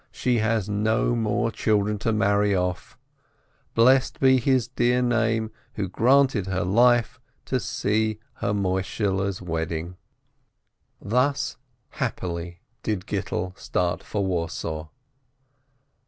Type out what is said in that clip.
She has no more children to marry off — blessed be His dear Name, who had granted her life to see her Moishehle's wedding ! 100 SPEKTOE Thus happily did Gittel start for Warsaw.